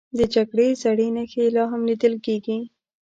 د جګړې زړې نښې لا هم لیدل کېږي.